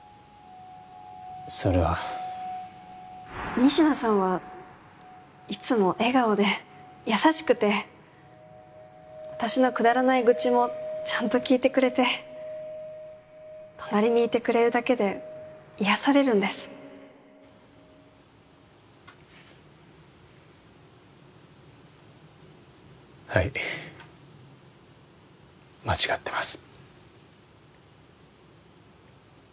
仁科さんはいつも笑顔で優しくて私のくだらない愚痴もちゃんと聞いてくれて隣にいてくれるだけで癒やされるんですはい間違ってます。